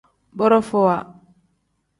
Borofowa.